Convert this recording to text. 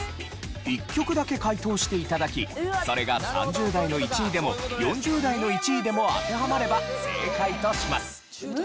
１曲だけ解答して頂きそれが３０代の１位でも４０代の１位でも当てはまれば正解とします。